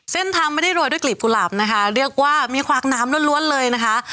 ไม่ได้โรยด้วยกลีบกุหลาบนะคะเรียกว่ามีขวากน้ำล้วนเลยนะคะ